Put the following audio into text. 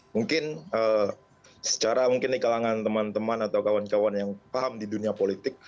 mungkin secara mungkin di kalangan teman teman atau kawan kawan yang paham di dunia politik